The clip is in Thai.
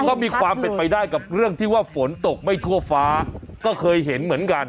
ก็มีความเป็นไปได้กับเรื่องที่ว่าฝนตกไม่ทั่วฟ้าก็เคยเห็นเหมือนกัน